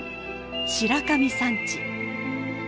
白神山地。